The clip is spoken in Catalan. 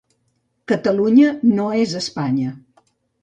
Catalunya no és Espanya